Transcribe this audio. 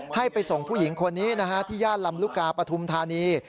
ให้ไปส่งผู้หญิงคนนี้นะฮะที่ย่านลำลูกกาปฐุมธานี